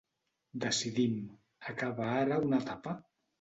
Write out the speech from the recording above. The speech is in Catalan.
Decidim, acaba ara una etapa.